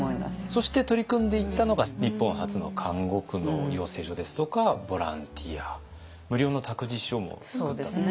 そして取り組んでいったのが日本初の看護婦の養成所ですとかボランティア無料の託児所も作ったということですけどね。